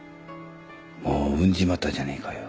もう産んじまったじゃねえかよ。